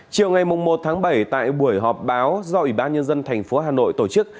chiều ngày một bảy tại buổi họp báo do ủy ban nhân dân tp hà nội tổ chức